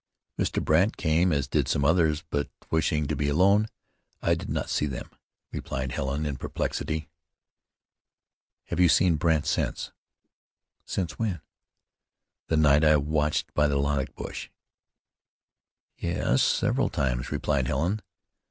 "Mr. Brandt came, as did some others; but wishing to be alone, I did not see them," replied Helen in perplexity. "Have you seen Brandt since?" "Since when?" "The night I watched by the lilac bush." "Yes, several times," replied Helen.